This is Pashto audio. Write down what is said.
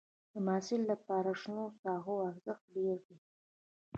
د محصل لپاره شنو ساحو ارزښت ډېر دی.